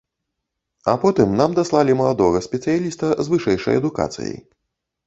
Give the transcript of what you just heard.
А потым нам даслалі маладога спецыяліста з вышэйшай адукацыяй.